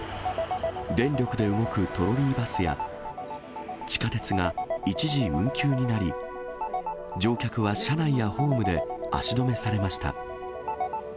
電力で動くトロリーバスや、地下鉄が一時運休になり、乗客は車内やホームで足止めされました。